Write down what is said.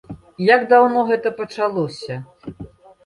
Як даўно гэта пачалося?